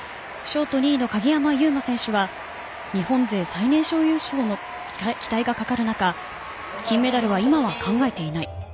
ショート２位の鍵山優真選手は日本勢最年少優勝の期待がかかる中金メダルは今は考えていない。